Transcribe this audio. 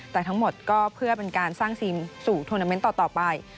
แต่ทั้งหมดก็เพื่อเป็นการสร้างซีนสู่ทวนาเมนต์ต่อไป